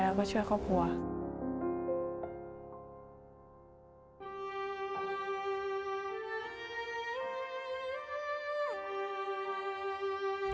พ่อลูกรู้สึกปวดหัวมาก